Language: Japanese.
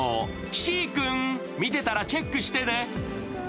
シー君、見てたらチェックしてね。